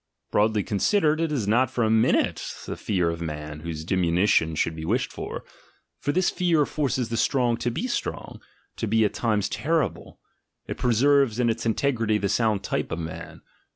Broadly considered, it is not for a min ute the fear of man, whose diminution should be wished for; for this fear forces the strong to be strong, to be at times terrible— it preserves in its integrity the sound type of man.